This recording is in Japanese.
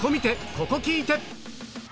ここ聴いて！